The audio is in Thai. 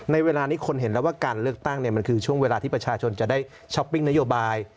ในเวลานี้คนเห็นแล้วว่าการเลือกตั้งมันคือช่วงเวลาที่ประชาชนจะได้ช้อปปิ้งนโยบาย